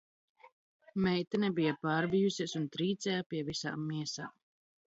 Meitene bija pārbijusies un trīcēja pie visām miesām